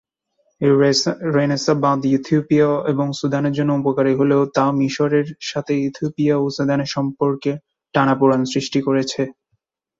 এই রেনেসাঁ বাঁধ ইথিওপিয়া এবং সুদানের জন্য উপকারী হলেও তা মিশরের সাথে ইথিওপিয়া ও সুদানের সম্পর্কে টানাপোড়েন সৃষ্টি করেছে।